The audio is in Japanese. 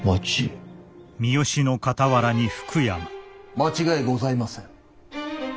間違いございませぬ。